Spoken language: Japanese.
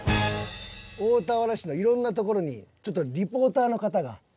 大田原市のいろんな所にちょっとリポーターの方が。